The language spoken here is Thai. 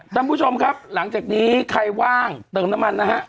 ท่านผู้ชมครับหลังจากนี้ใครว่างเติมน้ำมันนะฮะ